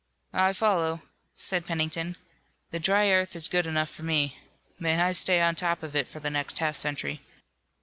"I follow," said Pennington. "The dry earth is good enough for me. May I stay on top of it for the next half century."